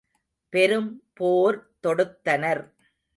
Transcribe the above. பெரும் போர் தொடுத்தனர்.